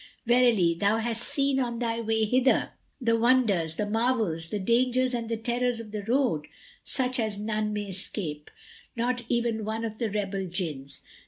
Verily, thou hast seen on thy way hither, the wonders, the marvels, the dangers and the terrors of the road, such as none may escape, not even one of the rebel Jinns.